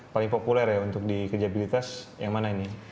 paling populer ya untuk di kerjabilitas yang mana ini